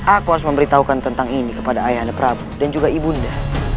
aku harus memberitahukan tentang ini kepada ayah anda prabu dan juga ibunda